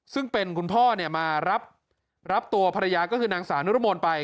ซึ่งเป็นคุณพ่อมารับตัวภรรยาก็คือนางสาวนุรมนต์ไป